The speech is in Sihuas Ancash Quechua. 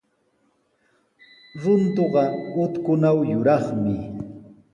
Runtuqa utkunaw yuraqmi.